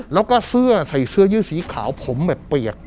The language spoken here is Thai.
แล้วก็เสื้อใส่เสื้อยืดสีขาวผมแบบเปียก